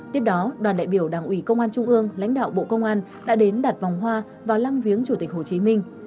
tiếp đó đoàn đại biểu đảng ủy công an trung ương lãnh đạo bộ công an đã đến đặt vòng hoa vào lăng viếng chủ tịch hồ chí minh